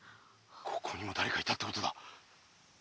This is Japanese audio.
ここにもだれかいたってことだ。